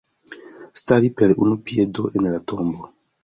Stari per unu piedo en la tombo.